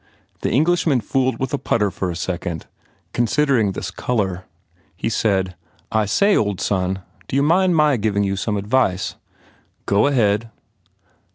The Englishman fooled with a putter for a second, considering this colour. He said, "I say, old son, d you mind my giving you some advice?" "Go ahead."